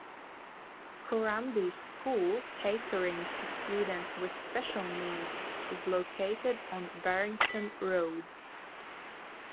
Kurrambee school catering to students with special needs is located on Werrington Road.